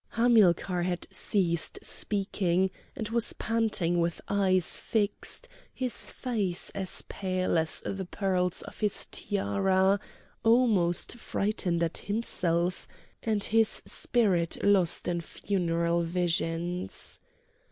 Hamilcar had ceased speaking, and was panting with eye fixed, his face as pale as the pearls of his tiara, almost frightened at himself, and his spirit lost in funereal visions.